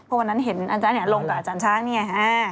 เพราะวันนั้นเห็นอาจารย์ลงกับอาจารย์ช้างนี่ไง